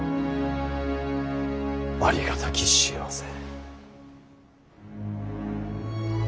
ありがたき幸せ。